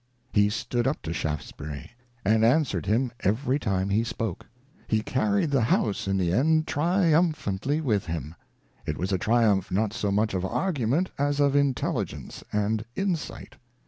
He stood up to Shaftesbury, and answered him every time he spoke. He carried the House, in the end, triumphantly with him. It was a triumph not so much of argument as of intelligence and insight.